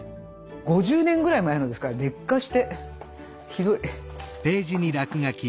５０年ぐらい前のですから劣化してひどい。